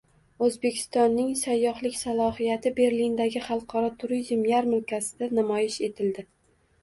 O‘zbekistonning sayyohlik salohiyati Berlindagi xalqaro turizm yarmarkasida namoyish etildi